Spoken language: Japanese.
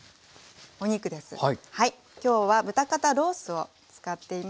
お肉です。